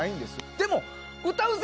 でも、歌うぜ！